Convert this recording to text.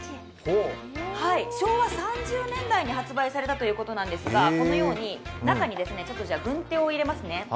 昭和３０年代に発売されたということですが、このように中に軍手を入れますね。